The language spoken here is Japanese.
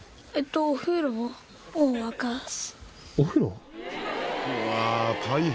お風呂？